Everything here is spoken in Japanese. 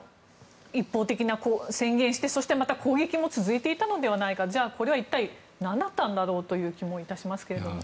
一方的に宣言して攻撃も続いていたのではないかこれは一体、何だったんだろうという気もしますが。